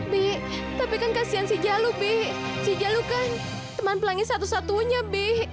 bi tapi kan kasihan si jalu be si jalu kan teman pelangi satu satunya be